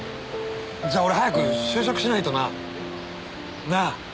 じゃあ俺早く就職しないとな。なあ？